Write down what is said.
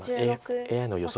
ＡＩの予想